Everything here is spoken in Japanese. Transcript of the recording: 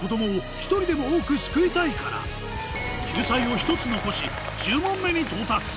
救済を１つ残し１０問目に到達